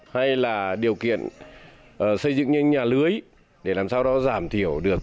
hay là điều kiện xây dựng nhanh nhà lưới để làm sao đó giảm thiểu được